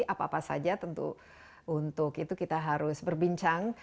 apa apa saja tentu untuk itu kita harus berbincang